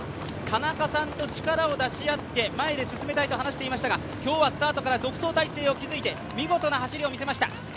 田中さんと力を出し合って前で進めたいと話していましたが今日はスタートから独走態勢を築いて見事な走りを見せました。